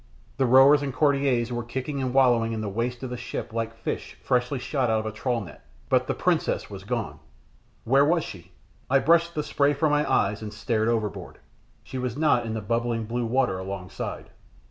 The rowers and courtiers were kicking and wallowing in the "waist" of the ship like fish newly shot out of a trawl net, but the princess was gone. Where was she? I brushed the spray from my eyes, and stared overboard. She was not in the bubbling blue water alongside.